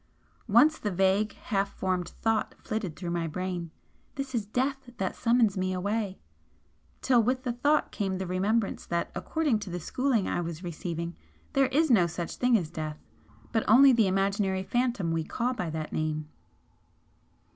Once the vague, half formed thought flitted through my brain "This is Death that summons me away," till with the thought came the remembrance that according to the schooling I was receiving, there is no such thing as 'Death,' but only the imaginary phantom we call by that name.